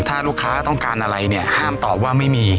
ถ้าลูกค้าต้องการอะไรเนี่ยห้ามตอบว่าไม่มี